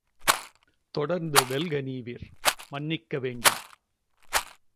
தொடர்ந்து வெல்க நீவிர், மன்னிக்க வேண்டும்.